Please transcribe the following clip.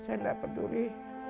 lili mengingatkan keadaan melati